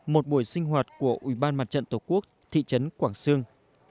một buổi sinh hoạt của ubnd tổ quốc thị trấn quảng sương